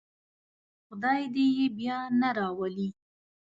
خدای دې یې بیا نه راولي.